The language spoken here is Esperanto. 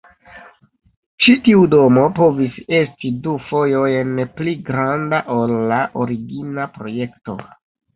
Ĉi tiu domo povis esti du fojojn pli granda ol la origina projekto.